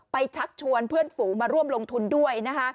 ชักชวนเพื่อนฝูงมาร่วมลงทุนด้วย